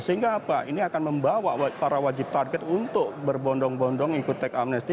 sehingga apa ini akan membawa para wajib target untuk berbondong bondong ikut teks amnesti